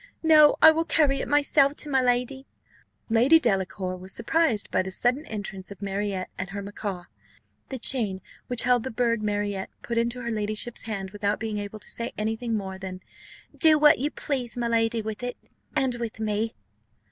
No, I will carry it myself to my lady." Lady Delacour was surprised by the sudden entrance of Marriott, and her macaw. The chain which held the bird Marriott put into her ladyship's hand without being able to say any thing more than, "Do what you please, my lady, with it and with me."